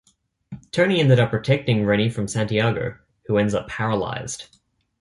Tony ended up protecting Reny from Santiago, who ends up paralyzed.